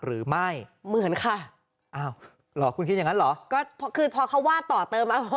หรือไม่เหมือนค่ะอ้าวเหรอคุณคิดอย่างงั้นเหรอก็คือพอเขาวาดต่อเติมอ่ะ